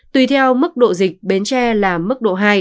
tùy theo mức độ dịch bến tre là mức độ hai